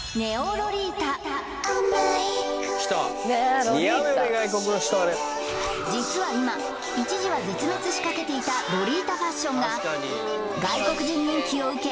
ロリータ実は今一時は絶滅しかけていたロリータファッションが外国人人気を受け